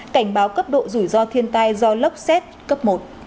cảnh báo cấp độ rủi ro thiên tai do lốc xét cấp một